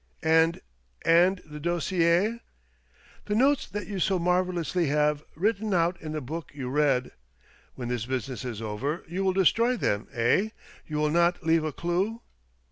" And — and the dossier. The notes that you so marvellously have, written out in the book you read. When this business is over you will destroy them, eh ? You will not leave a clue